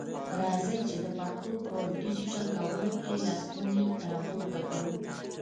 راځئ چي د پښتو په ډيجيټل کولو کي لستوڼي را پورته کړو.